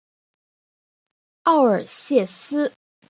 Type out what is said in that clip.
奥尔谢斯。